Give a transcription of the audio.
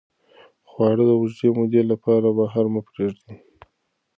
خواړه د اوږدې مودې لپاره بهر مه پرېږدئ.